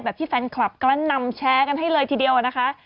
ที่แฟนคลับกระนำแชร์กันให้เลยทีเดียวนะคะ